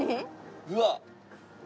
うわっ。